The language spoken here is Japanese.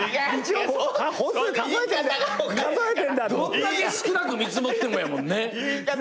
どんだけ少なく見積もってもやもんね。